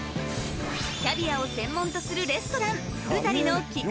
キャビアを専門とするレストラン